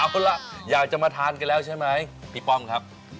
เอาล่ะอยากจะมาทานกันแล้วใช่ไหมพี่ป้องครับ